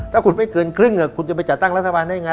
ถ้าคุณไม่เกินครึ่งคุณจะไปจัดตั้งรัฐบาลได้ยังไง